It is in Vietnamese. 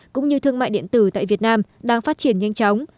cũng như thương mại điện tử tại việt nam đang phát triển nhanh chóng